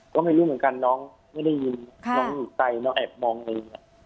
ก็ไม่รู้เหมือนกันน้องไม่ได้ยินน้องอยู่ใต้น้องแอบมองอะไรอย่างนี้